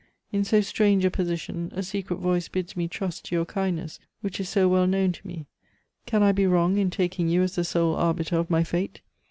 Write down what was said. In so strange a position, a secret voice bids me trust to your kindness, which is so well known to me. Can I be wrong in taking you as the sole arbiter of my fate?